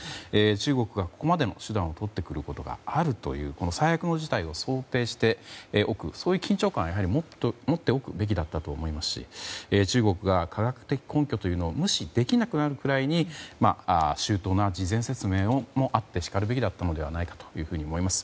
中国がここまでの手段をとってくることがあるという最悪の事態を想定しておくそういう緊張感を持っておくべきだったと思いますし中国が科学的根拠というのを無視できなくなるくらいに周到な事前説明もあってしかるべきだったのではないかと思います。